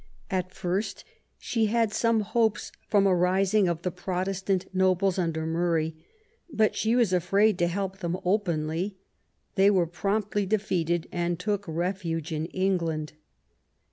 At first she had some hopes from a rising of the Protes tant nobles under Murray ; but she was afraid to help them openly ; they were promptly defeated and took refuge in England.